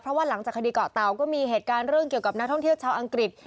เพราะว่าหลังจากคดีเกาะเตาก็มีเหตุการณ์เรื่องเกี่ยวกับนักท่องเที่ยวชาวอังกฤษ